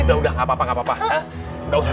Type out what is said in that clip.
udah udah nggak apa apa